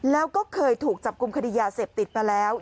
แล้วก็เคยถูกจับกลุ่มคดียาเสพติดมาแล้ว